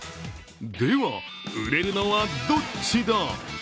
では、売れるのはどっちだ？